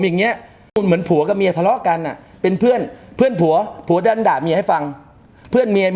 อย่างนี้คุณเหมือนผัวกับเมียทะเลาะกันอ่ะเป็นเพื่อนเพื่อนผัวผัวดันด่าเมียให้ฟังเพื่อนเมีย